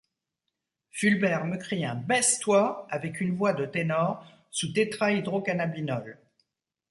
Fulbert me crie un « baisse-toi » avec une voix de ténor sous tétrahydrocannabinol.